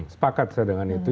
sepakat saya dengan itu